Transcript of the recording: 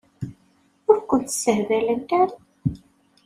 Ur kun-ssehbalent ara?